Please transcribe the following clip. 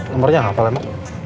nomernya hafal emang